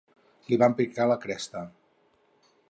Li van picar la cresta.